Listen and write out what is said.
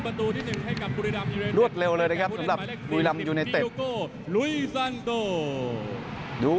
ขึ้นนำรวดเร็วเลยนะครับสำหรับดีโยโกลุยซันโตดู